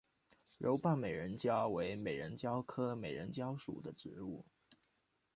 柔瓣美人蕉为美人蕉科美人蕉属的植物。